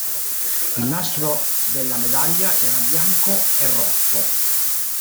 Il nastro della medaglia era bianco e rosso.